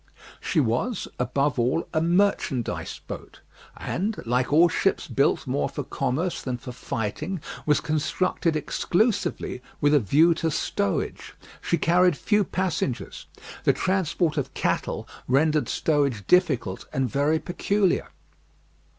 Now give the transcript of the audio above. She was, above all, a merchandise boat, and, like all ships built more for commerce than for fighting, was constructed exclusively with a view to stowage. She carried few passengers. The transport of cattle rendered stowage difficult and very peculiar.